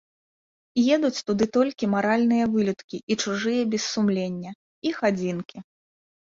Едуць туды толькі маральныя вылюдкі і чужыя без сумлення, іх адзінкі.